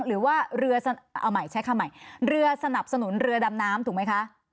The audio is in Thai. หรือว่าเรือสนับสนุนเรือดำน้ำถูกไหมคะ